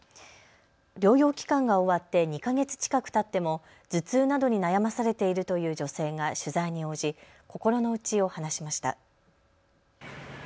療養期間が終わって２か月近くたっても頭痛などに悩まされているという女性が取材に応じ心の内を話しました。